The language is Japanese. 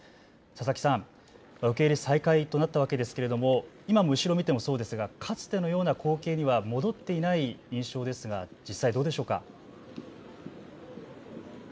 佐々木さん、受け入れ再開となったわけですけれども今も後ろを見てもそうですがかつてのような光景には戻っていない印象ですが実際、どうでしょうか。